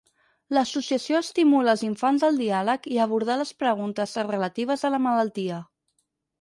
L'associació estimula els infants al diàleg i a abordar les preguntes relatives a la malaltia.